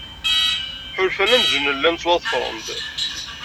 Ḥulfan amzun llan ttwaḍefren-d.